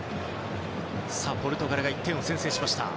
ポルトガルが１点先制しました。